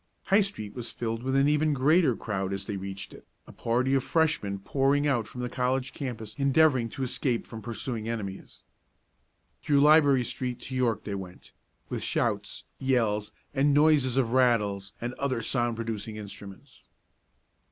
High street was filled with even a greater crowd as they reached it, a party of Freshman pouring out from the college campus endeavoring to escape from pursuing enemies. Through Library street to York they went, with shouts, yells and noises of rattles and other sound producing instruments.